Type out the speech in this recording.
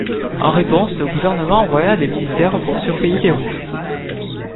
En réponse, le gouvernement envoya des militaires pour surveiller les rues.